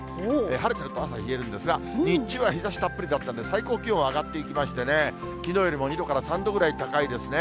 晴れていると朝冷えるんですが、日中は日ざしたっぷりだったんで、最高気温は上がっていきましてね、きのうよりも２度から３度ぐらい高いですね。